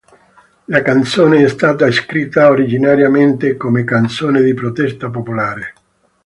La canzone è stata scritta originariamente come canzone di protesta popolare.